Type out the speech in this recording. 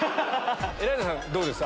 エライザさんどうですか？